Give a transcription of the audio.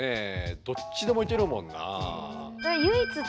どっちでもいけるもんなあ。